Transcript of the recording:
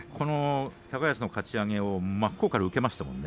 高安のかち上げを真っ向から受けましたものね。